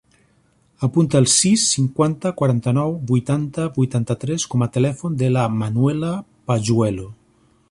Apunta el sis, cinquanta, quaranta-nou, vuitanta, vuitanta-tres com a telèfon de la Manuela Pajuelo.